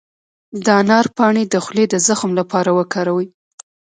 د انار پاڼې د خولې د زخم لپاره وکاروئ